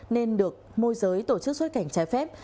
nên được môi giới tổ chức xuất cảnh trái phép